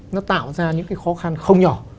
nó tạo ra những cái khó khăn không nhỏ